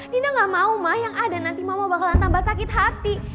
dina gak mau ma yang ada nanti mama bakalan tambah sakit hati